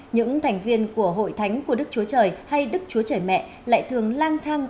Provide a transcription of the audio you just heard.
những thành viên của hội thánh của đức chúa trời hay đức chúa trời mẹ lại thường lang thang